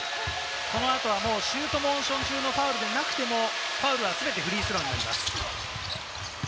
この後、シュートモーション中のファウルでなくてもファウルは全てフリースローになります。